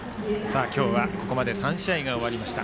今日はここまで３試合が終わりました。